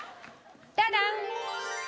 ダダン！